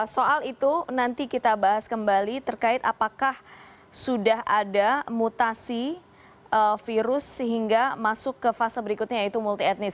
soal itu nanti kita bahas kembali terkait apakah sudah ada mutasi virus sehingga masuk ke fase berikutnya yaitu multi etnis